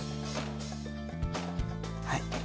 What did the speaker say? はい。